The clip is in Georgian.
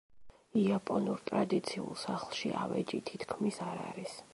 იაპონურ ტრადიციულ სახლში ავეჯი თითქმის არ არის.